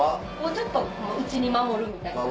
ちょっと内に守るみたいな。